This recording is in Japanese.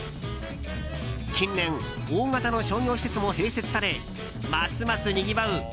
近年、大型の商業施設も併設されますますにぎわう